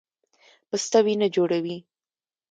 پسته وینه جوړوي